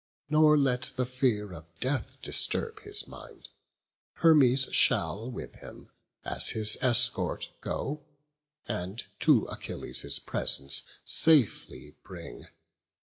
Nor let the fear of death disturb his mind: Hermes shall with him, as his escort, go, And to Achilles' presence safely bring.